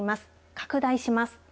拡大します。